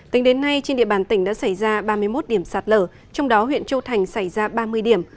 tính đến nay trên địa bàn tỉnh đã xảy ra ba mươi một điểm sạt lở trong đó huyện châu thành xảy ra ba mươi điểm